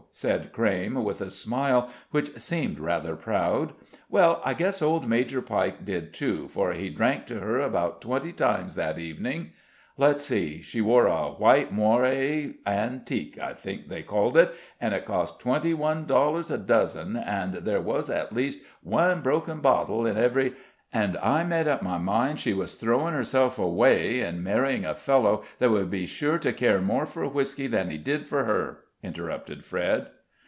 said Crayme, with a smile which seemed rather proud; "well, I guess old Major Pike did too, for he drank to her about twenty times that evening. Let's see; she wore a white moire antique, I think they called it, and it cost twenty one dollars a dozen, and there was at least one broken bottle in every " "And I made up my mind she was throwing herself away, in marrying a fellow that would be sure to care more for whisky than he did for her," interrupted Fred.